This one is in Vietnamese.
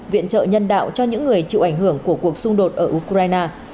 viện trợ nhân đạo cho những người chịu ảnh hưởng của cuộc xung đột ở ukraine